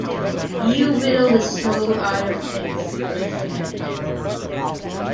“You wheedle the soul out of things,” he said.